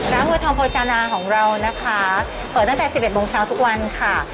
วัวทองโภชานาของเรานะคะเปิดตั้งแต่สิบเอ็ดโมงเช้าทุกวันค่ะ